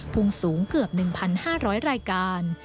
พุ่งสูงเกือบ๑๕๐๐รายการ